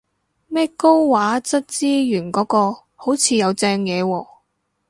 咩高畫質資源嗰個好似有正嘢喎